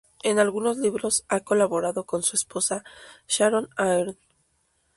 En algunos libros ha colaborado con su esposa, Sharon Ahern.